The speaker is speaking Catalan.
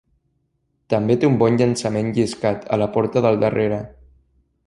També té un bon llançament lliscat a la porta del darrere.